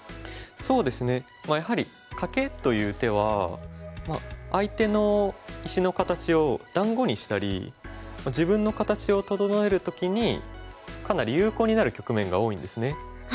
そうですねまあやはりカケという手は相手の石の形を団子にしたり自分の形を整える時にかなり有効になる局面が多いんですね。